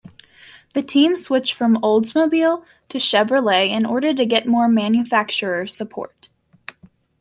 The team switched from Oldsmobile to Chevrolet in order to get more manufacturer support.